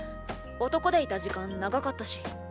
男でいた時間長かったし。